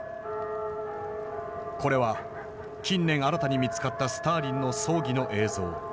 これは近年新たに見つかったスターリンの葬儀の映像。